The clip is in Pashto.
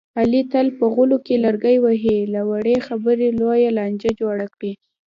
علي تل په غولو کې لرګي وهي، له وړې خبرې لویه لانجه جوړه کړي.